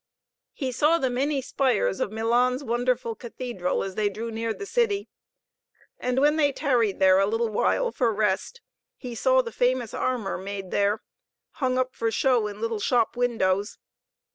He saw the many spires of Milan's wonderful cathedral as they drew near the city. And when they tarried there a little while for rest, he saw the famous armor made there, hung up for show in little shop windows.